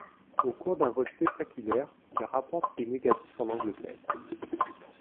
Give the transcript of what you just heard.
Au cours d'un vol spectaculaire, il rapporte ses négatifs en Angleterre.